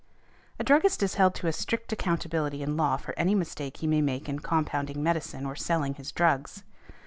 A druggist is held to a strict accountability in law for any mistake he may make in compounding medicine or selling his drugs.